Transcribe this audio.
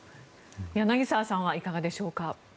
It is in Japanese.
柳澤さんはいかがでしょうか。